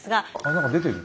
何か出てる。